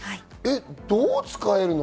どう使えるの？